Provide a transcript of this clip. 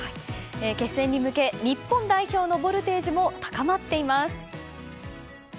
決戦に向け日本代表のボルテージも高まっています。